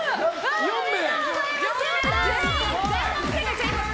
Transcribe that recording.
４名！